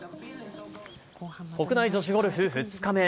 国内女子ゴルフ２日目。